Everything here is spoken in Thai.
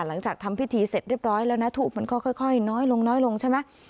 หลังจากทำพิธีเสร็จเรียบร้อยแล้วนะถูกมันก็ค่อยน้อยลงน้อยลงใช่ไหม